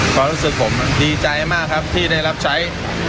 ความรู้สึกผมดีใจมากครับที่ได้รับใช้